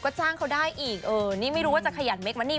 ก็จ้างเขาได้อีกเออนี่ไม่รู้ว่าจะขยันเคมานี่